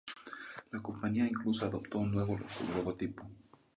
La compañía incluso adoptó un nuevo logotipo.